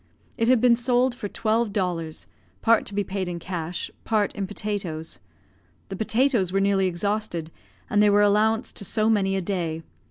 It had been sold for twelve dollars, part to be paid in cash, part in potatoes; the potatoes were nearly exhausted, and they were allowanced to so many a day.